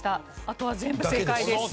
あとは全部正解です。